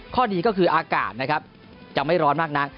ข้อดีก็คืออากาศนะครับจะไม่ร้อนมากนัก